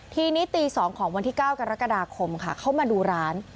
ทีนี้ตี๒ของวันที่๙กรกฎาคมค่ะเข้ามาดูร้าน